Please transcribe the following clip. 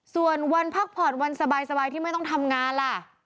ส่วนวันพักผ่อนวันสบายที่ไม่ต้องทำงานล่ะ